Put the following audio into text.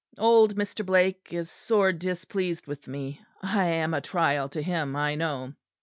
Old Mr. Blake is sore displeased with me. I am a trial to him, I know.